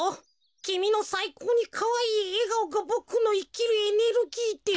きみのさいこうにかわいいえがおがボクのいきるエネルギーです」。